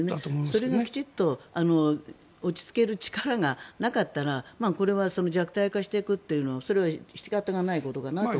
それがきちんと落ち着ける力がなかったらこれは弱体化していくというのはそれは仕方がないことかなと。